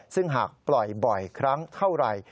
ซึ่งหากปล่อยบ่อยครั้งเท่าไหร่